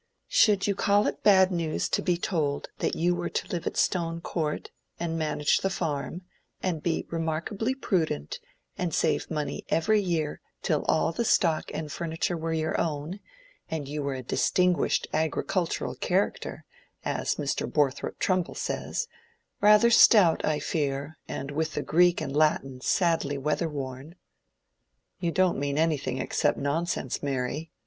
"Should you call it bad news to be told that you were to live at Stone Court, and manage the farm, and be remarkably prudent, and save money every year till all the stock and furniture were your own, and you were a distinguished agricultural character, as Mr. Borthrop Trumbull says—rather stout, I fear, and with the Greek and Latin sadly weather worn?" "You don't mean anything except nonsense, Mary?"